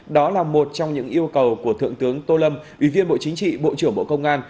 đó là một trong những yêu cầu của thượng tướng tô lâm ủy viên bộ chính trị bộ trưởng bộ công an